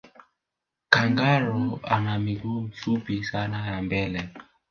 kangaroo ana miguu mifupi sana ya mbele